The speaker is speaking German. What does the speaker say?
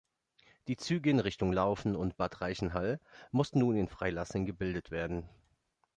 Die Züge in Richtung Laufen und Bad Reichenhall mussten nun in Freilassing gebildet werden.